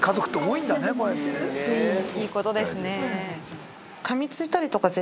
いいことですね。